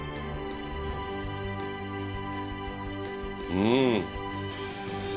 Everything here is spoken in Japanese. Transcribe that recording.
うん。